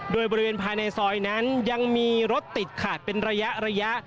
โดยบริเวณภายในซอยนั้นยังมีรถติดขาดเป็นระยะ